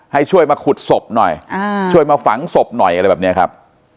ให้ช่วยมาขุดศพหน่อยช่วยมาฝังศพหน่อยอะไรแบบนี้ครับ